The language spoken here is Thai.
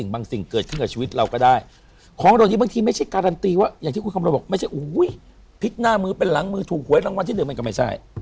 ผิดหน้ามือเป็นหลังมือถูกหัวให้รางวัลที่หนึ่งก็ไม่ใช่